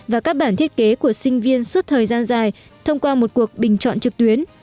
và các bản thiết kế của sinh viên suốt thời gian dài thông qua một cuộc bình chọn trực tuyến